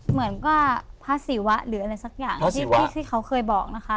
เหมือนก็พระศิวะหรืออะไรสักอย่างที่เขาเคยบอกนะคะ